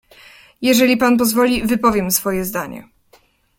"Jeżeli pan pozwoli, wypowiem swoje zdanie."